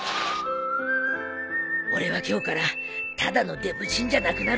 俺は今日からただのデブちんじゃなくなるんだ